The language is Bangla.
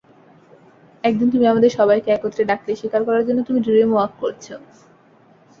একদিন, তুমি আমাদের সবাইকে একত্রে ডাকলে, স্বীকার করার জন্য তুমি ড্রিমওয়াক করেছো।